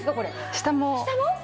下も？